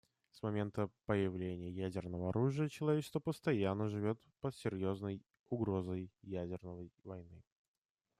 С момента появления ядерного оружия человечество постоянно живет под серьезной угрозой ядерной войны.